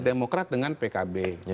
demokrat dengan pkb